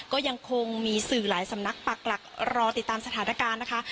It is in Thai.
ก็ยังคงมีสื่อหลายสำนักปักหลักรอติดตามสถานการณ์นะคะ